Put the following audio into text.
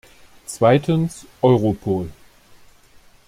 Zweitens Europol.